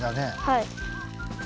はい。